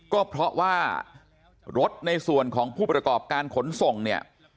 ก็เพราะว่ารถในส่วนของผู้ประกอบการขนส่งเนี่ย